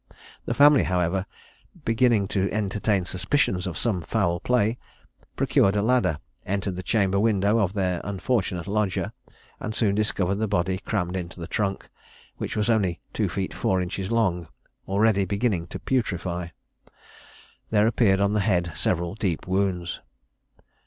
The family, however, beginning to entertain suspicions of some foul play, procured a ladder, entered the chamber window of their unfortunate lodger, and soon discovered the body crammed into the trunk, which was only two feet four inches long, already beginning to putrefy. There appeared on the head several deep wounds.